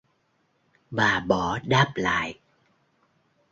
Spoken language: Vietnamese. Bà bỏ đáp lại